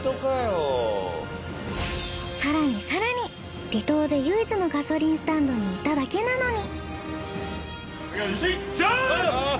更に更に離島で唯一のガソリンスタンドにいただけなのに。